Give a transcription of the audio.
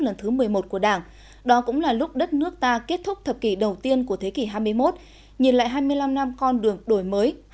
lần thứ một mươi một của đảng đó cũng là lúc đất nước ta kết thúc thập kỷ đầu tiên của thế kỷ hai mươi một nhìn lại hai mươi năm năm con đường đổi mới